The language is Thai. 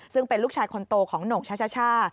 ซึ่งเป็นลูกชายคนโตของหน่งช่า